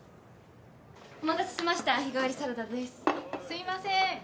・すいません！